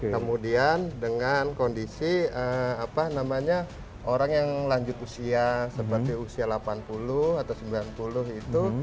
kemudian dengan kondisi orang yang lanjut usia seperti usia delapan puluh atau sembilan puluh itu